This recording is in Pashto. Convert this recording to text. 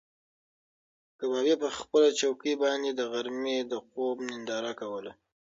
کبابي په خپله چوکۍ باندې د غرمې د خوب ننداره کوله.